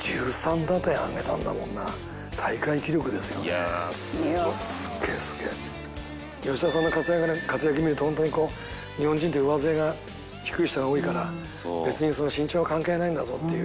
「いやあすごい」吉田さんの活躍見るとホントにこう日本人って上背が低い人が多いから別に身長は関係ないんだぞっていう。